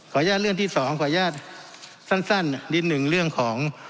ขออนุญาตเรื่องที่สองขออนุญาตสั้นนิดหนึ่ง